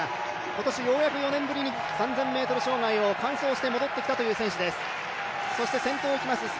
今年ようやく４年ぶりに３０００ｍ障害を完走して戻ってきた選手です。